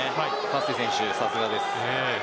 カッセ選手、さすがです。